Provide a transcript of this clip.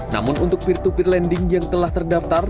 namun untuk p dua p lending yang telah terdaftar